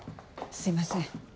すいません。